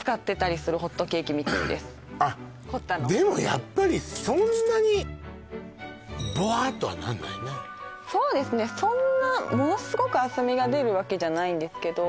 やっぱりそんなにボワッとはなんないねそんなものすごく厚みが出るわけじゃないんですけど